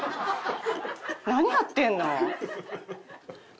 何やってんの？